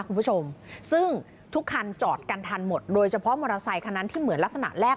คุณผู้ชมซึ่งทุกคันจอดกันทันหมดโดยเฉพาะมอเตอร์ไซคันนั้นที่เหมือนลักษณะแรก